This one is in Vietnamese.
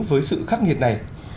với sự khắc nghiệt này